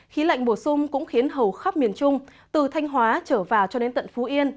khí lạnh bổ sung cũng khiến hầu khắp miền trung từ thanh hóa trở vào cho đến tận phú yên